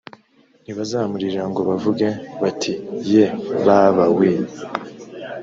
ntibazamuririra ngo bavuge bati ye baba we